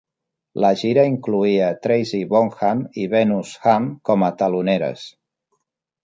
La gira incloïa Tracy Bonham i Venus Hum com a teloneres.